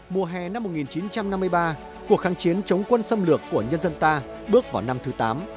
mùa hè năm một nghìn chín trăm năm mươi ba cuộc kháng chiến chống quân xâm lược của nhân dân ta bước vào năm thứ tám